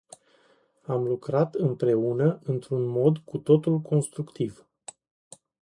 Am lucrat împreună într-un mod cu totul constructiv.